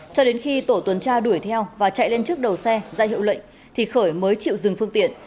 cho đến khi tổ tuần tra đuổi theo và chạy lên trước đầu xe ra hiệu lệnh thì khởi mới chịu dừng phương tiện